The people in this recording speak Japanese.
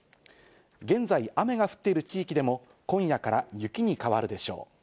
現在、雨が降っている地域でも、今夜から雪に変わるでしょう。